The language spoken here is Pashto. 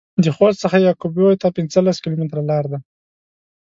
د خوست څخه يعقوبيو ته پنځلس کيلومتره لار ده.